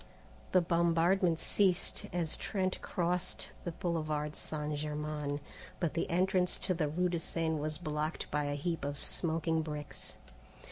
The bombardment ceased as Trent crossed the Boulevard St. Germain, but the entrance to the rue de Seine was blocked by a heap of smoking bricks.